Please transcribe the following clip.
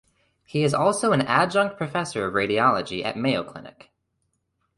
He is also an adjunct professor of radiology at Mayo Clinic.